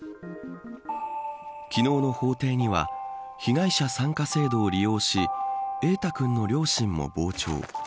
昨日の法廷には被害者参加者制度を利用し瑛大君の両親も傍聴。